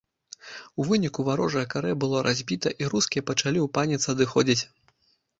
У выніку варожае карэ было разбіта, і рускія пачалі ў паніцы адыходзіць.